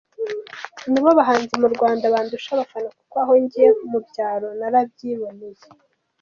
Nibo bahanzi mu Rwanda bandusha abafana kuko aho nagiye mu byaro narabyiboneye.